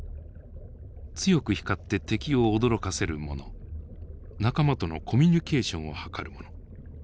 強く光って敵を驚かせるもの仲間とのコミュニケーションを図るもの